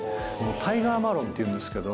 タイガーマロンっていうんですけど。